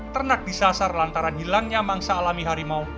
ternak disasar lantaran hilangnya mangsa alami harimau